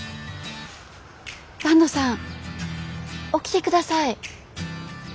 坂東さん起きて下さい。